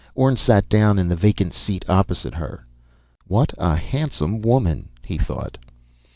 Orne sat down in the vacant seat opposite her. What a handsome woman! he thought.